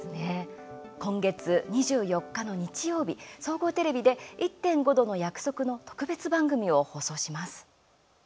今月２４日の日曜日総合テレビで「１．５℃の約束」の特別番組を放送します。